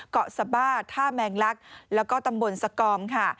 เกาะสะบาดท่าแมงลักษณ์แล้วก็ตำบลสกอง